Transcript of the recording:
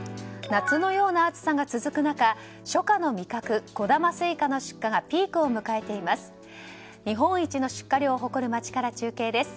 夏のような暑さが続く中初夏の味覚こだますいかの出荷がピークを迎えています。